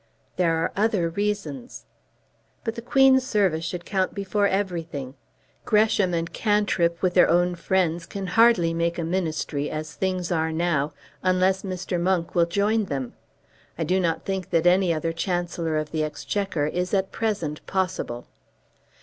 "There are other reasons." "But the Queen's service should count before everything. Gresham and Cantrip with their own friends can hardly make a Ministry as things are now unless Mr. Monk will join them. I do not think that any other Chancellor of the Exchequer is at present possible."